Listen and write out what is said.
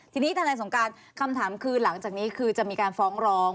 ทีนี้ทนายสงการคำถามคือหลังจากนี้คือจะมีการฟ้องร้อง